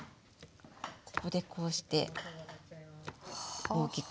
ここでこうして大きく。